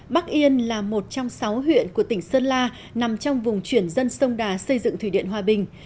bắc yên là một trong sáu huyện của tỉnh sơn la nằm trong vùng chuyển dân sông đà xây dựng thủy điện hòa bình